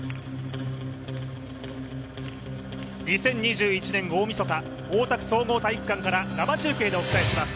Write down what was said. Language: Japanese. ２０２１年大みそか、大田区総合体育館から生中継でお送りします。